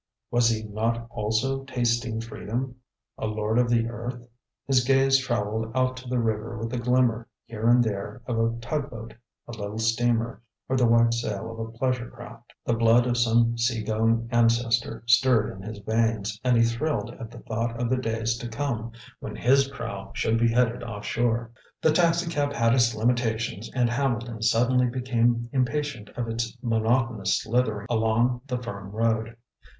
Was he not also tasting freedom a lord of the earth? His gaze traveled out to the river, with the glimmer here and there of a tug boat, a little steamer, or the white sail of a pleasure craft. The blood of some seagoing ancestor stirred in his veins, and he thrilled at the thought of the days to come when his prow should be headed offshore. The taxicab had its limitations, and Hambleton suddenly became impatient of its monotonous slithering along the firm road.